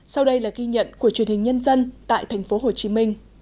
sau đây là ghi nhận của truyền hình nhân dân tại tp hcm